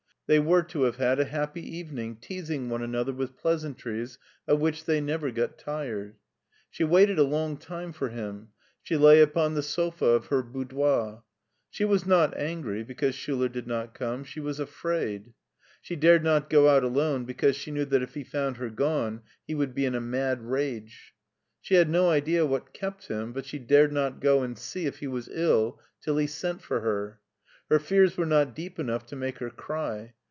They were to have had a happy evening teasing one another with pleasant ries of which they never got tired. She waited a long time for him. She lay upon the sofa of her boudoir. She was not angry because Schuler did not come: she was afraid. She dared not go out alone because she knew that if he found her gone he would be in a mad rage. She had no idea what kept him, but she dared not go and see if he was ill till he sent, for her. Her fears were not deep enough to make her cry.